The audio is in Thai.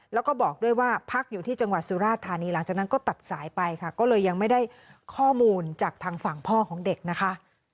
แล้วก็บอกด้วยว่าพักอยู่ที่จังหวัดสุราธานีหลังจากนั้นก็ตัดสายไปค่ะก็เลยยังไม่ได้ข้อมูลจากทางฝั่งพ่อของเด็กนะคะ